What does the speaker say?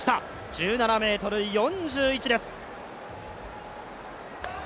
１７ｍ４１です。